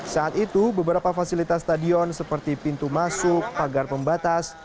saat itu beberapa fasilitas stadion seperti pintu masuk pagar pembatas